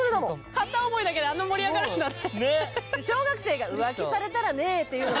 片思いだけであんな盛り上がるんだね